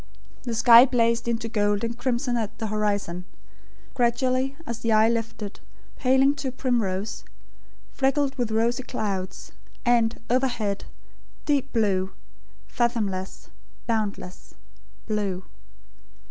The sky blazed into gold and crimson at the horizon; gradually as the eye lifted, paling to primrose, flecked with rosy clouds; and, overhead, deep blue fathomless, boundless, blue.